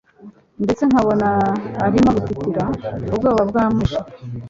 ndetse nkabona arimo gutitira ubwoba bwamwishe